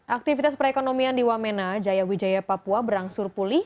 aktivitas perekonomian di wamena jaya wijaya papua berangsur pulih